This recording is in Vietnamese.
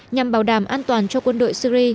nhằm bảo đảm an toàn cho quân đội syri